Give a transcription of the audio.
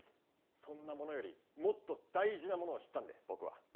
そんなものよりもっと大事なものを知ったんで僕は。